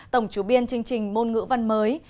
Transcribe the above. tổng chủ biên chương trình môn ngữ văn mới